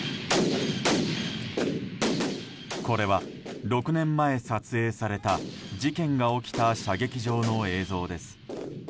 これは６年前撮影された事件が起きた射撃場の映像です。